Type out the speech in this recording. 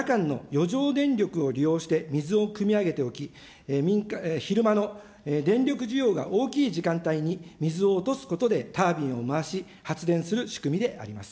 揚水発電は主に火力発電所や原子力発電所における夜間の余剰電力を利用して水をくみ上げておき、昼間の電力需要が大きい時間帯に水を落とすことでタービンを回し、発電する仕組みであります。